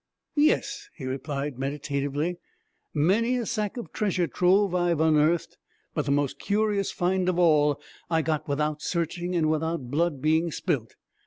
'Yes,' he replied meditatively, 'many a sack of treasure trove I've unearthed. But the most curious find of all, I got without searching and without blood being spilt.